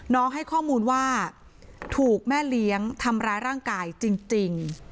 ให้ข้อมูลว่าถูกแม่เลี้ยงทำร้ายร่างกายจริง